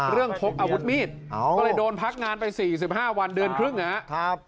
พกอาวุธมีดก็เลยโดนพักงานไป๔๕วันเดือนครึ่งนะครับ